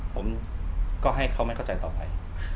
ผมก็ให้เขาไม่เข้าใจต่อไป